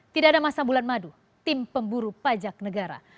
tidak ada masa bulan madu tim pemburu pajak negara